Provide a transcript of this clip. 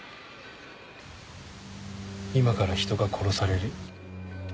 今から人が殺される。